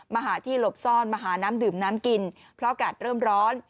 มาหาที่หลบซ่อนมาหาน้ำดื่มน้ำกินเพราะอากาศเริ่มร้อน